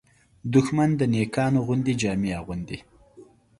دښمن د نېکانو غوندې جامې اغوندي